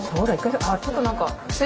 ちょっと何か。